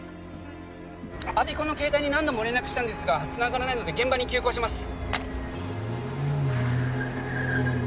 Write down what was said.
我孫子の携帯に何度も連絡したんですがつながらないので現場に急行します